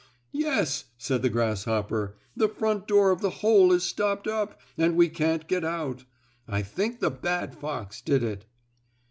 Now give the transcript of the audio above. "Yes," said the grasshopper, "the front door of the hole is stopped up, and we can't get out. I think the bad fox did it."